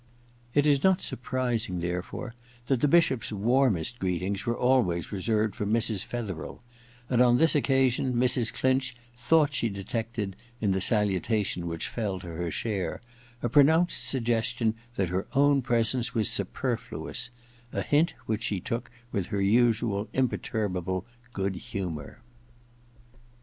It is not surpri^ng, therefore, that the Bishop's warmest greetings were always reserved for Mrs. Fetherel ; and on this occasion Mrs. Clinch thought she detected, in the salutation which fell to her share, a pronounced suggestion that her own presence was superfluous — a hint which she took with her usual imperturbable good humour.